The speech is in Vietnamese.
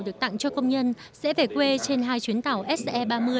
được tặng cho công nhân sẽ về quê trên hai chuyến tàu se ba mươi